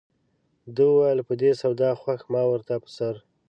ده وویل په دې سودا خوښ ما ورته په سر.